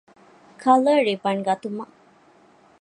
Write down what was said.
ކަލަރ ރިބަން ގަތުމަށް